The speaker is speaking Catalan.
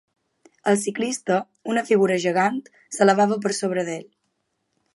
El ciclista, una figura gegant, s'elevava per sobre d'ell.